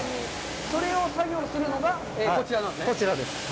それを作業するのがこちらなんですね。